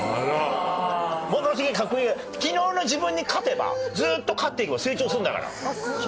ものすげえかっこいい昨日の自分に勝てばずっと勝っていけば成長するんだから。